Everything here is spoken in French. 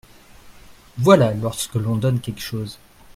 Voilà lorsque l’on donne quelque chose.